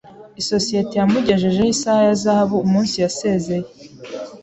Isosiyete yamugejejeho isaha ya zahabu umunsi yasezeye.